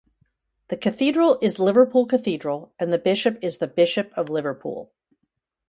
The cathedral is Liverpool Cathedral and the bishop is the Bishop of Liverpool.